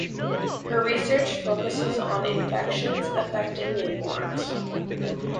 Her research focuses on infections affecting newborns.